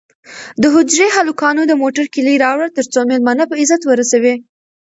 د حجرې هلکانو د موټر کیلي راوړه ترڅو مېلمانه په عزت ورسوي.